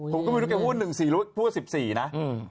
ผมก็ไม่รู้แกพูด๑๔รู้พูดว่า๑๔นะ